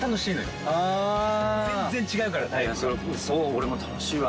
俺も楽しいわ。